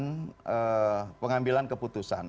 ada mekanisme dan pengambilan keputusan